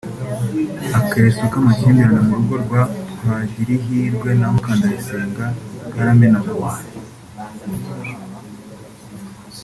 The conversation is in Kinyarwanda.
Akeso k’amakimbirane mu rugo rwa Twagirihirwe na Mukandayisenga karamenaguwe